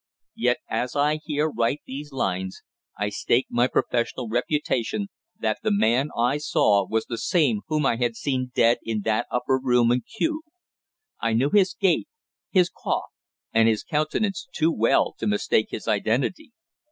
Yet, as I here write these lines, I stake my professional reputation that the man I saw was the same whom I had seen dead in that upper room in Kew. I knew his gait, his cough, and his countenance too well to mistake his identity.